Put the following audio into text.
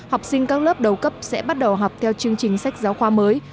học sinh các lớp đầu cấp sẽ bắt đầu học theo chương trình sách giáo khoa mới